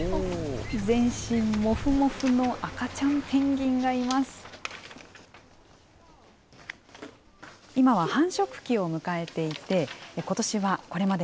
全身もふもふの赤ちゃんペンギンがいます。